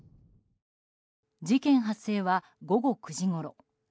事件発生は午後９時ごろ。